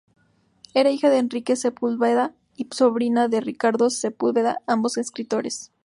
Era hija de Enrique Sepúlveda y sobrina de Ricardo Sepúlveda, ambos escritores.